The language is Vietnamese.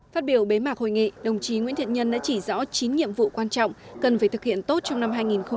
phát biểu bế mạc hội nghị đồng chí nguyễn thiện nhân đã chỉ rõ chín nhiệm vụ quan trọng cần phải thực hiện tốt trong năm hai nghìn hai mươi